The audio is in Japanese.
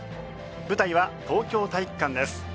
舞台は東京体育館です。